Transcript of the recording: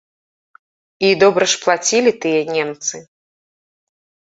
І добра ж плацілі тыя немцы!